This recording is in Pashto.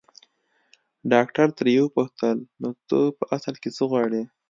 ډاکټر ترې وپوښتل نو ته په اصل کې څه غواړې.